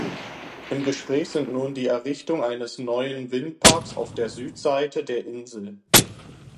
Im Gespräch sind nun die Errichtung eines neuen Windparks auf der Südseite der Insel.